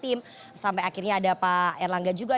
tim sampai akhirnya ada pak erlangga juga